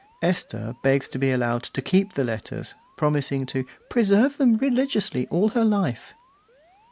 Esther begs to be allowed to keep the letters, promising to 'preserve them religiously all her life.